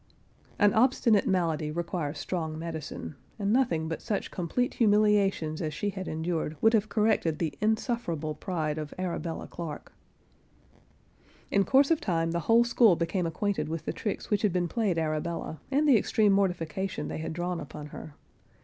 An obstinate malady requires strong medicine, and nothing but such complete humiliations as she had endured, would have corrected the insufferable pride of Arabella Clarke. In course of time the whole school became acquainted with the tricks which had been played Arabella, and the extreme mortification they had drawn upon her.